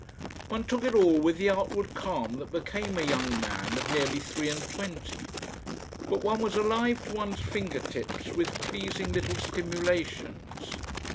One took it all with the outward calm that became a young man of nearly three and twenty, but one was alive to one's finger tips with pleasing little stimulations.